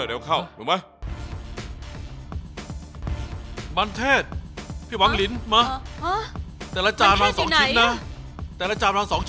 ราวที่ข้าจะรับคำสั่ง